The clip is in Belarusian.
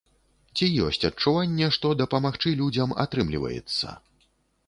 Ці ёсць адчуванне, што дапамагчы людзям атрымліваецца?